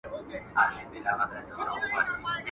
o کوس گټي کولې مرگی ئې هير وو.